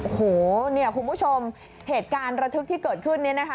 โอ้โหเนี่ยคุณผู้ชมเหตุการณ์ระทึกที่เกิดขึ้นเนี่ยนะคะ